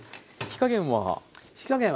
火加減は？